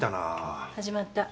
始まった。